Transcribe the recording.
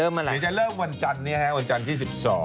เดี๋ยวจะเริ่มวันจันทร์เนี่ยฮะวันจันทร์ที่สิบสอง